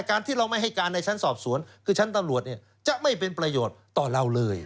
การที่เราไม่ให้การในชั้นสอบสวนคือชั้นตำรวจเนี่ยจะไม่เป็นประโยชน์ต่อเราเลย